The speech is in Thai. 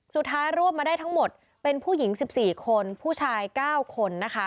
รวบมาได้ทั้งหมดเป็นผู้หญิง๑๔คนผู้ชาย๙คนนะคะ